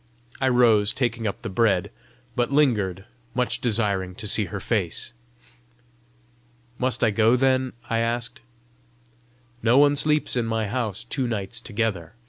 I rose, taking up the bread but lingered, much desiring to see her face. "Must I go, then?" I asked. "No one sleeps in my house two nights together!"